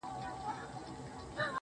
دا يې د ميــــني تـرانـــه ماته كــړه.